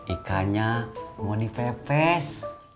ikannya mau dipepes